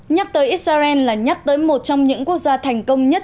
nhắc tới israel là nhắc tới một trong những quốc gia thành công nhất